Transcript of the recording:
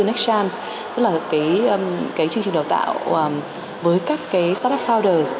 quỹ đầu tư nettrance tức là cái chương trình đào tạo với các cái startup founders